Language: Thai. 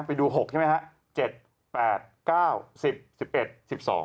ไปดู๖ใช่ไหมครับ